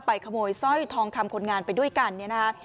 ขโมยสร้อยทองคำคนงานไปด้วยกันเนี่ยนะคะ